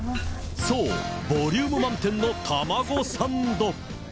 そう、ボリューム満点のタマゴサンド。